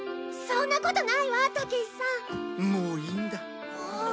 そんなことないわたけしさん。もういいんだ。